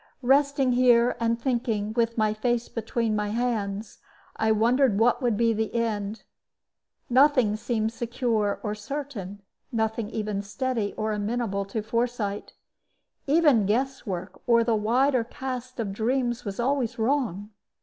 Besting here, and thinking, with my face between my hands, I wondered what would be the end. Nothing seemed secure or certain, nothing even steady or amenable to foresight. Even guess work or the wider cast of dreams was always wrong.